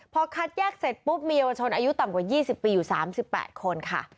พอคัดแยกเสร็จปุ๊บมีเยาวชนอายุต่ำกว่า๒๐ปีอยู่๓๘คนค่ะ